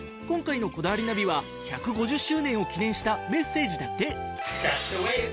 今回の『こだわりナビ』は１５０周年を記念したメッセージだって。